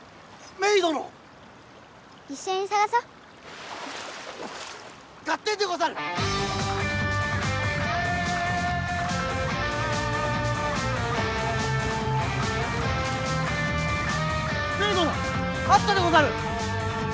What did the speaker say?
メイどのあったでござる！